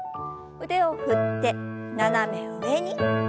腕を振って斜め上に。